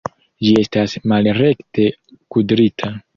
Ĝi estas malrekte kudrita!